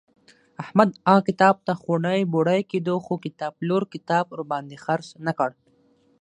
احمد هغه کتاب ته خوړی بوړی کېدو خو کتابپلور کتاب ورباندې خرڅ نه کړ.